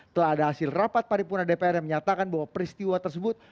telah ada hasil rapat paripurna dpr yang menyatakan bahwa peristiwa tersebut